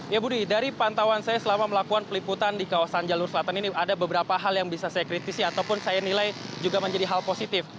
ya budi dari pantauan saya selama melakukan peliputan di kawasan jalur selatan ini ada beberapa hal yang bisa saya kritisi ataupun saya nilai juga menjadi hal positif